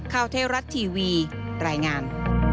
เทวรัฐทีวีรายงาน